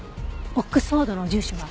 オックスフォードの住所は？